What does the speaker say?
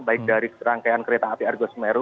baik dari rangkaian kereta api argo semeru